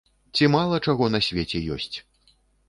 Ці мала чаго на свеце ёсць!